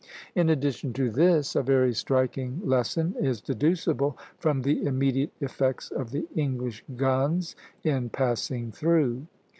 In addition to this, a very striking lesson is deducible from the immediate effects of the English guns in passing through.